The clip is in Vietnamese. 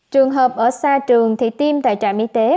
trường hợp ở xa trường thì tiêm tại trạm y tế